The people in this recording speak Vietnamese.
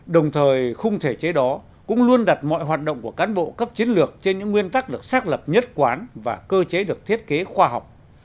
đồng thời khung thể chế đó cũng luôn đặt mọi hoạt động của cán bộ cấp chiến lược trên những nguyên tắc được xác lập nhất quán và cơ chế được thiết kế khoa học